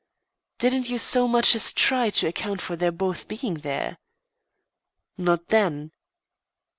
"Didn't you so much as try to account for their both being there?" "Not then."